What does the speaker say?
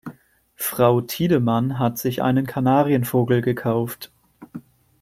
Frau Tiedemann hat sich einen Kanarienvogel gekauft.